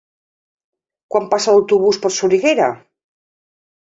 Quan passa l'autobús per Soriguera?